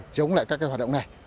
chống lại các cái hoạt động này